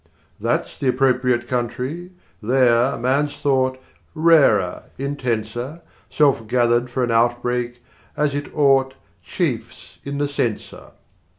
That's the appropriate country; there, man's thought, Rarer, intenser, 10 Self gathered for an outbreak, as it ought, Chafes in the censer.